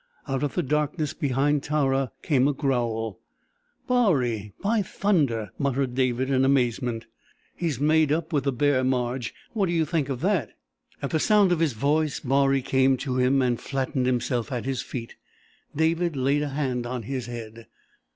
Out of the darkness behind Tara came a growl. "Baree, by thunder!" muttered David in amazement. "He's made up with the bear, Marge! What do you think of that?" At the sound of his voice Baree came to him and flattened himself at his feet. David laid a hand on his head.